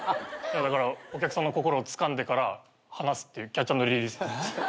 だからお客さんの心をつかんでから離すっていうキャッチ＆リリース。